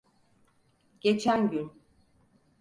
Geçen gün.